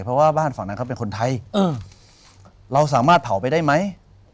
เพราะว่าบ้านฝั่งนั้นเขาเป็นคนไทยเราสามารถเผาไปได้ไหม